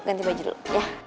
ganti baju dulu ya